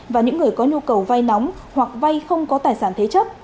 và những người có nhu cầu vay nóng hoặc vay không có tài sản thế chấp